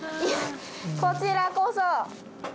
こちらこそ。